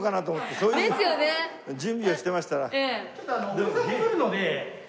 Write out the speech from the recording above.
そういう準備をしてましたら。